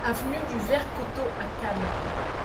Avenue du Vert Coteau à Cannes